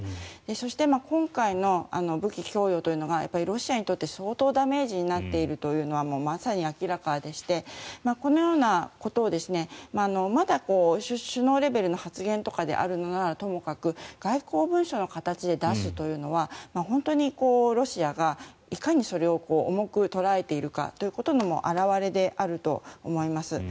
そして今回の武器供与というのがロシアにとって、相当ダメージになっているというのはまさに明らかでしてこのようなことをまだ首脳レベルの発言とかであるならともかく外交文書の形で出すというのは本当にロシアがいかにそれを重く捉えているかということの表れであると思います。